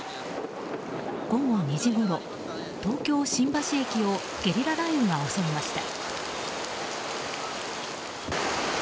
午後２時ごろ、東京・新橋駅をゲリラ雷雨を襲いました。